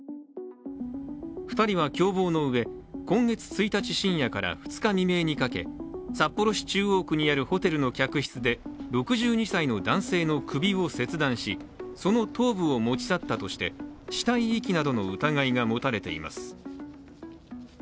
２人は共謀のうえ、今月１日深夜から２日未明にかけ札幌市中央区にあるホテルの客室で６２歳の男性の首を切断しその頭部を持ち去ったとして死体遺棄などの疑いが持たれています。